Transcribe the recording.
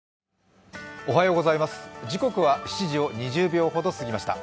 時刻は７時を２０秒ほど過ぎました。